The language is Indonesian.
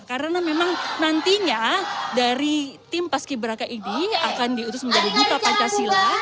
karena memang nantinya dari tim pasciberaka ini akan diutus menjadi gita pancasila